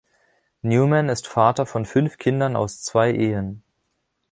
Newman ist Vater von fünf Kindern aus zwei Ehen.